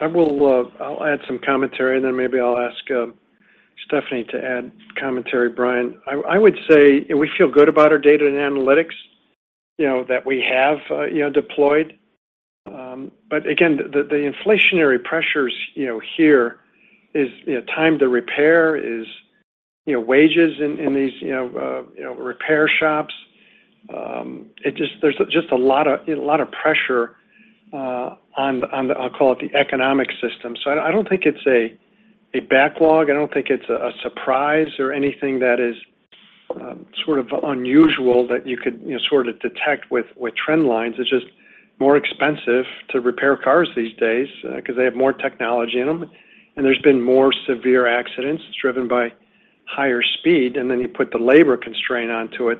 I will, I'll add some commentary, and then maybe I'll ask Stephanie to add commentary, Brian. I, I would say we feel good about our data and analytics, you know, that we have, you know, deployed. But again, the, the inflationary pressures, you know, here is, you know, time to repair, is, you know, wages in, in these, you know, repair shops. There's just a lot of, a lot of pressure, on the, on the, I'll call it, the economic system. I don't, I don't think it's a, a backlog. I don't think it's a, a surprise or anything that is, sort of unusual that you could, you know, sort of detect with, with trend lines. It's just more expensive to repair cars these days, 'cause they have more technology in them, and there's been more severe accidents. It's driven by higher speed, and then you put the labor constraint onto it.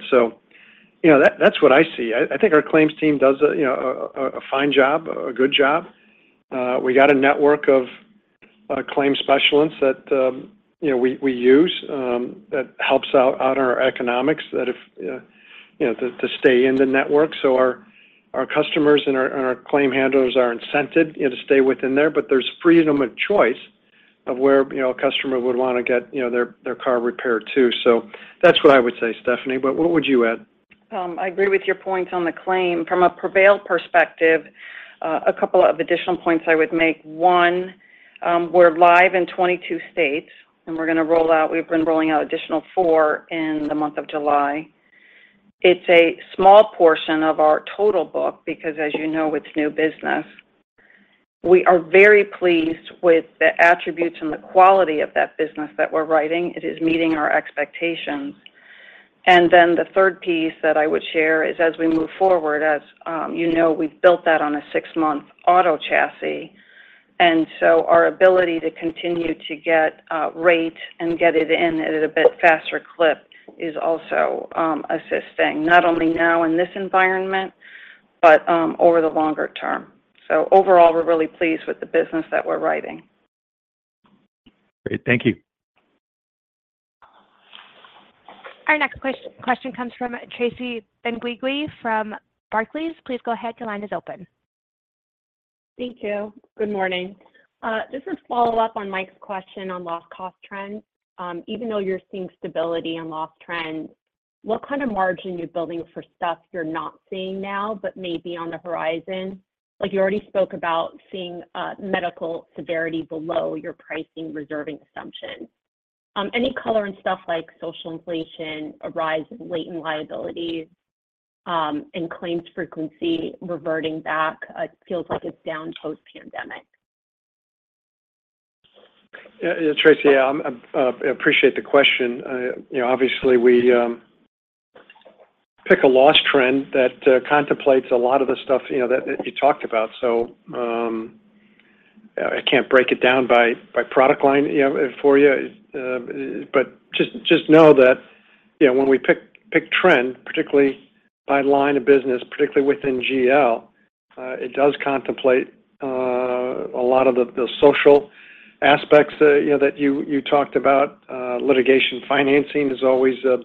You know, that's what I see. I, I think our claims team does a, you know, a, a, a fine job, a good job. We got a network of claim specialists that, you know, we, we use, that helps out, out our economics, that if, you know, to, to stay in the network. Our, our customers and our, and our claim handlers are incented, you know, to stay within there, but there's freedom of choice of where, you know, a customer would want to get, you know, their, their car repaired too. That's what I would say, Stephanie, but what would you add? I agree with your points on the claim. From a Prevail perspective, a couple of additional points I would make. One, we're live in 22 states, and we're going to roll out... We've been rolling out additional four in the month of July. It's a small portion of our total book because, as you know, it's new business. We are very pleased with the attributes and the quality of that business that we're writing. It is meeting our expectations. The third piece that I would share is, as we move forward, as, you know, we've built that on a six-month auto chassis, and so our ability to continue to get rate and get it in at a bit faster clip is also assisting, not only now in this environment, but over the longer term. Overall, we're really pleased with the business that we're writing. Great. Thank you. Our next question comes from Tracy Benguigui from Barclays. Please go ahead. Your line is open. Thank you. Good morning. Just to follow up on Mike's question on loss cost trends, even though you're seeing stability in loss trends, what kind of margin are you building for stuff you're not seeing now, but maybe on the horizon? Like, you already spoke about seeing medical severity below your pricing reserving assumption. Any color on stuff like social inflation, a rise in latent liabilities, and claims frequency reverting back, feels like it's down post-pandemic. Yeah, Tracy, yeah, I'm, I appreciate the question. You know, obviously, we, pick a loss trend that, contemplates a lot of the stuff, you know, that, that you talked about, so, I can't break it down by, by product line, you know, for you. Just, just know that, you know, when we pick, pick trend, particularly by line of business, particularly within GL, it does contemplate, a lot of the, the social aspects, you know, that you, you talked about. Litigation financing is always, you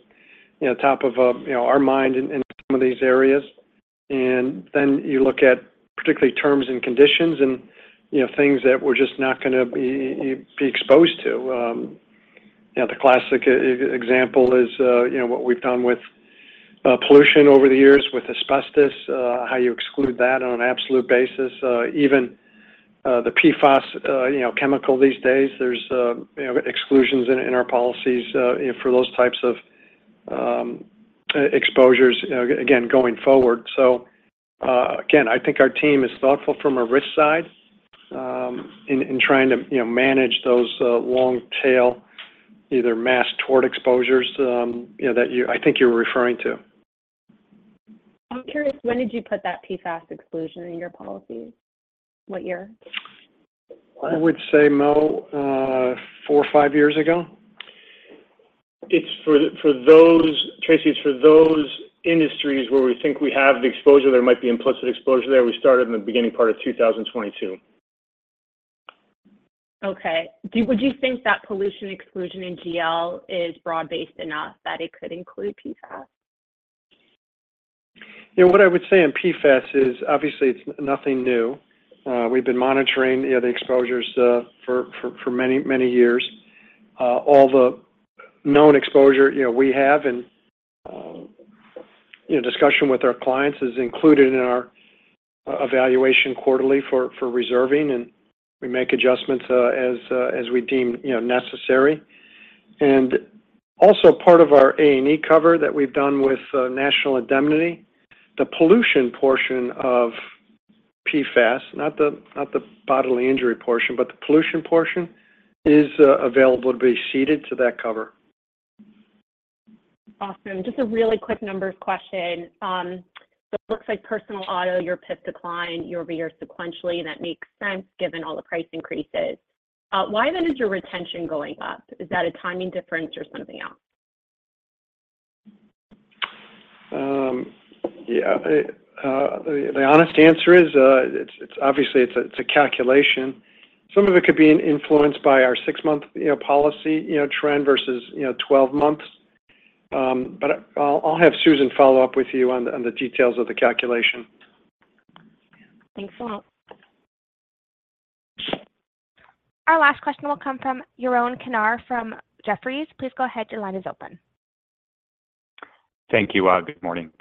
know, top of, you know, our mind in, in some of these areas. You look at particularly terms and conditions and, you know, things that we're just not going to be, be exposed to. You know, the classic e-example is, you know, what we've done with pollution over the years, with asbestos, how you exclude that on an absolute basis. Even the PFAS, you know, chemical these days, there's, you know, exclusions in, in our policies, you know, for those types of exposures, again, going forward. So, again, I think our team is thoughtful from a risk side, in, in trying to, you know, manage those, long tail... either mass tort exposures, you know, that you, I think you're referring to. I'm curious, when did you put that PFAS exclusion in your policy? What year? I would say, Mo, four or five years ago. It's for, for those, Tracy, it's for those industries where we think we have the exposure, there might be implicit exposure there. We started in the beginning part of 2022. Okay. Would you think that pollution exclusion in GL is broad-based enough that it could include PFAS? You know, what I would say in PFAS is obviously it's nothing new. We've been monitoring, you know, the exposures, for, for, for many, many years. All the known exposure, you know, we have in, you know, discussion with our clients is included in our evaluation quarterly for, for reserving, and we make adjustments, as, as we deem, you know, necessary. Also part of our A&E cover that we've done with, National Indemnity, the pollution portion of PFAS, not the, not the bodily injury portion, but the pollution portion is, available to be ceded to that cover. Awesome. Just a really quick numbers question. It looks like personal auto, your PIF decline, year-over-year sequentially, and that makes sense given all the price increases. Why then is your retention going up? Is that a timing difference or something else? Yeah, the honest answer is, it's obviously it's a, it's a calculation. Some of it could be influenced by our six month, you know, policy, you know, trend versus, you know, 12 months. I'll, I'll have Susan follow up with you on the, on the details of the calculation. Thanks a lot. Our last question will come from Yaron Kinar from Jefferies. Please go ahead. Your line is open. Thank you. Good morning.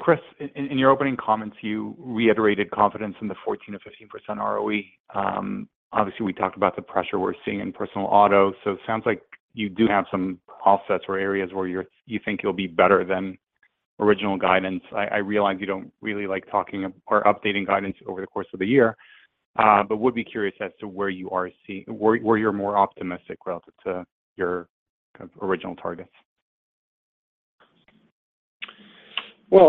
Chris, in, in your opening comments, you reiterated confidence in the 14%-15% ROE. Obviously, we talked about the pressure we're seeing in personal auto, so it sounds like you do have some offsets or areas where you think you'll be better than original guidance. I, I realize you don't really like talking or updating guidance over the course of the year, but would be curious as to where you are seeing... where, where you're more optimistic relative to your kind of original targets. You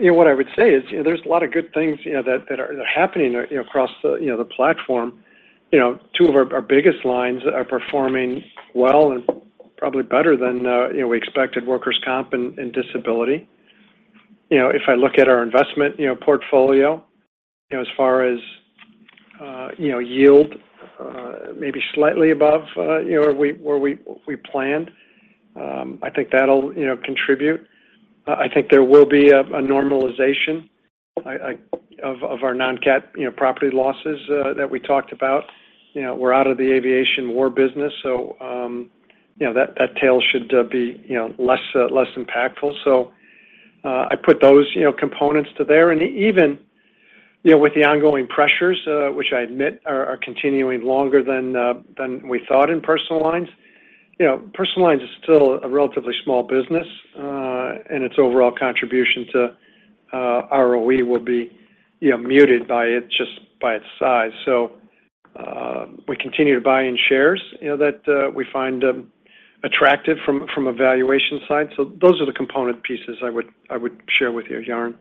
know, what I would say is, you know, there's a lot of good things, you know, that, that are happening, you know, across the, you know, the platform. You know, two of our, our biggest lines are performing well and probably better than, you know, we expected, workers' comp and, and disability. You know, if I look at our investment, you know, portfolio, you know, as far as, you know, yield, maybe slightly above, you know, where we, where we, we planned, I think that'll, you know, contribute. I think there will be a, a normalization of, of our non-CAT, you know, property losses that we talked about. You know, we're out of the aviation war business, so, you know, that, that tail should be, you know, less, less impactful. I put those, you know, components to there. Even, you know, with the ongoing pressures, which I admit are, are continuing longer than we thought in personal lines, you know, personal lines is still a relatively small business, and its overall contribution to ROE would be, you know, muted by it, just by its size. We continue to buy in shares, you know, that we find attractive from, from a valuation side. Those are the component pieces I would, I would share with you, Yaron.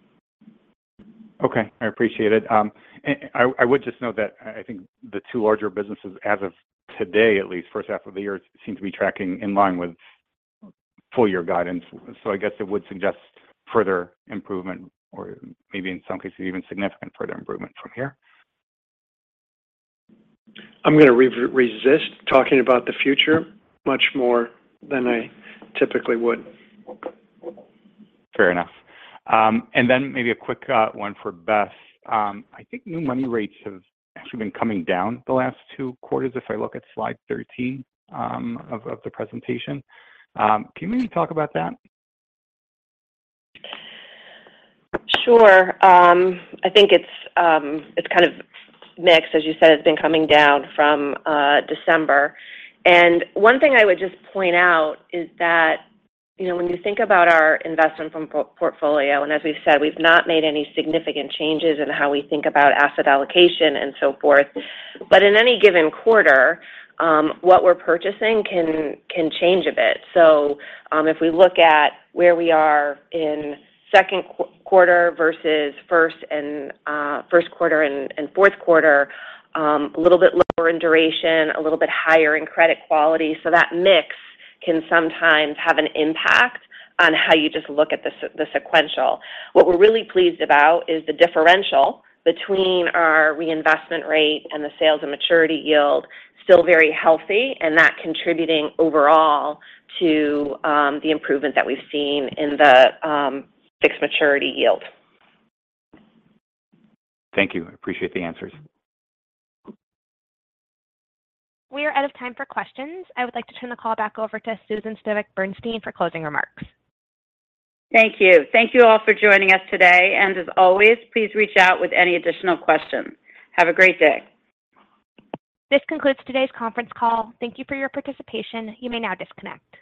Okay. I appreciate it. I, I would just note that I, I think the two larger businesses, as of today, at least first half of the year, seem to be tracking in line with full year guidance. I guess it would suggest further improvement or maybe in some cases, even significant further improvement from here. I'm going to resist talking about the future much more than I typically would. Fair enough. Maybe a quick one for Beth. I think new money rates have actually been coming down the last two quarters, if I look at slide 13 of the presentation. Can you maybe talk about that? Sure. I think it's, it's kind of mixed. As you said, it's been coming down from December. One thing I would just point out is that, you know, when you think about our investment portfolio, and as we've said, we've not made any significant changes in how we think about asset allocation and so forth, but in any given quarter, what we're purchasing can, can change a bit. If we look at where we are in second quarter versus first and first quarter and fourth quarter, a little bit lower in duration, a little bit higher in credit quality. That mix can sometimes have an impact on how you just look at the sequential. What we're really pleased about is the differential between our reinvestment rate and the sales and maturity yield, still very healthy, and that contributing overall to the improvement that we've seen in the fixed maturity yield. Thank you. I appreciate the answers. We are out of time for questions. I would like to turn the call back over to Susan Spivak Bernstein for closing remarks. Thank you. Thank you all for joining us today, and as always, please reach out with any additional questions. Have a great day. This concludes today's conference call. Thank you for your participation. You may now disconnect.